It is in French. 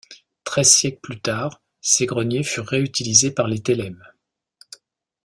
Treize siècles plus tard, ces greniers furent réutilisés par les Tellem.